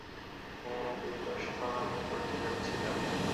হ্যাঁ, একই প্রশ্ন আমিও করতে যাচ্ছিলাম।